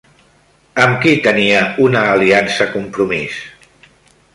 Amb qui tenia una aliança Compromís?